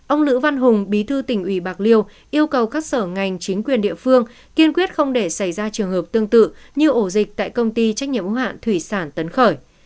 ông lữ văn hùng bí thư tỉnh ủy bạc liêu yêu cầu các sở ngành chính quyền địa phương kiên quyết không để xảy ra trường hợp tương tự như ổ dịch tại công ty trách nhiệm hữu hạn thủy sản tấn khởi